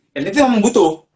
dan itu yang membutuh